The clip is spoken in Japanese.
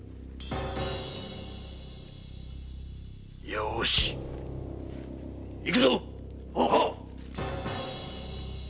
よし行くぞ！